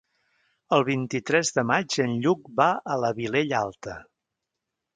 El vint-i-tres de maig en Lluc va a la Vilella Alta.